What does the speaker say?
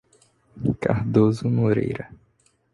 Cardoso Moreira